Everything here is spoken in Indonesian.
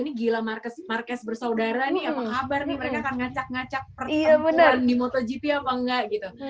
ini gila marquez bersaudara nih apa kabar nih mereka akan ngacak ngacak pertemuan di motogp apa enggak gitu